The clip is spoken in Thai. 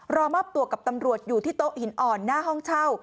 รอมอบตัวกับตำรวจอยู่ที่โต๊ะหินอ่อนหน้าห้องเช่า